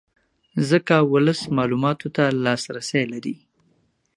ځکه ولس معلوماتو ته لاسرې لري